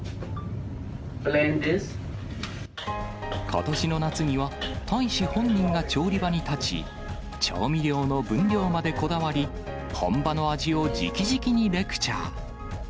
ことしの夏には、大使本人が調理場に立ち、調味料の分量までこだわり、本場の味をじきじきにレクチャー。